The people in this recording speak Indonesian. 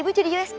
ibu jadi usg